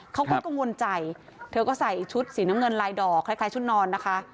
เขาก็กังวลใจเธอก็ใส่ชุดสีน้ำเงินลายดอกคล้ายชุดนอนนะคะ